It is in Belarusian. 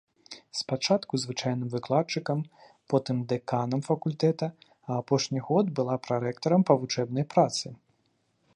Спачатку звычайным выкладчыкам, потым дэканам факультэта, а апошні год была прарэктарам па вучэбнай працы.